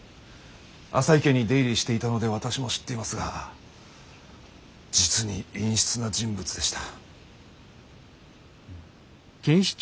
浅井家に出入りしていたので私も知っていますが実に陰湿な人物でした。